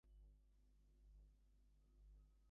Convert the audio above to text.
Much of her work has been inspired by Estonian folk music.